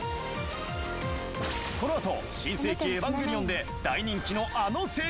このあと『新世紀エヴァンゲリオン』で大人気のあの声優。